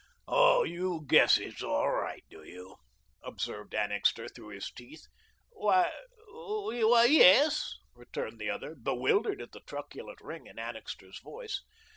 "Oh, you guess it's all right, do you?" observed Annixter through his teeth. "Why why yes," returned the other, bewildered at the truculent ring in Annixter's voice.